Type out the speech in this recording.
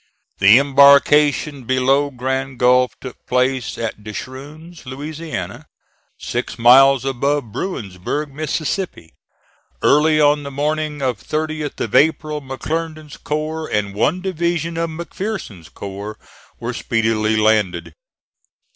The embarkation below Grand Gulf took place at De Shroon's, Louisiana, six miles above Bruinsburg, Mississippi. Early on the morning of 30th of April McClernand's corps and one division of McPherson's corps were speedily landed.